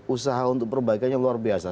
usaha untuk perbaikannya luar biasa